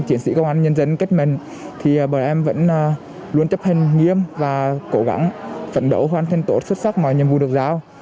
chiến sĩ công an nhân dân kết mệnh thì bọn em vẫn luôn chấp hành nghiêm và cố gắng phấn đấu hoàn thành tốt xuất sắc mọi nhiệm vụ được giao